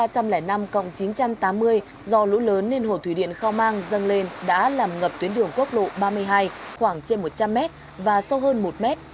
tại km ba trăm linh năm chín trăm tám mươi do lũ lớn nên hồ thủy điện khao mang dâng lên đã làm ngập tuyến đường quốc lộ ba mươi hai khoảng trên một trăm linh m và sâu hơn một m